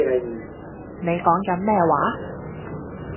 你講緊咩話